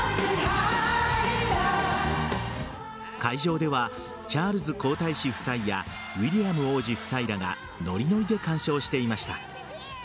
会場ではチャールズ皇太子夫妻やウィリアム王子夫妻らがノリノリで鑑賞していました。